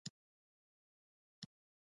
آیا حکومت د کب نیولو مخه ونه نیوله؟